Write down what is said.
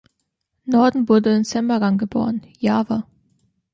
Norden wurde in Semarang geboren, Java.